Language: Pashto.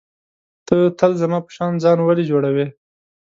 ته تل زما په شان ځان ولي جوړوې.